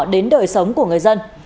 đến đời sống của người dân